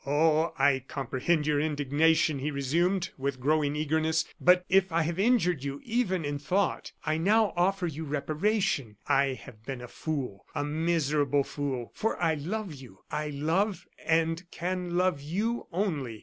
"Oh! I comprehend your indignation," he resumed, with growing eagerness. "But if I have injured you even in thought, I now offer you reparation. I have been a fool a miserable fool for I love you; I love, and can love you only.